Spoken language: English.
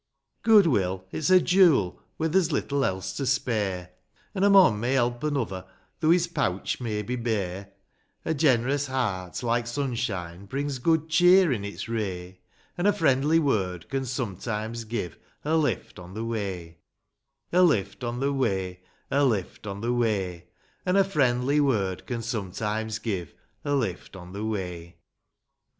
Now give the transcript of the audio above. IV. Good will, it's a jewel, where there's little else to spare; An' a mon may help another though his pouch may be bare ; A gen'rous heart, like sunshine, brings good cheer in its ray ; An' a friendly word can sometimes give a lift on the way • A lift on the way ; A lift on the way ; An' a friendly word can sometimes give a lift on the way.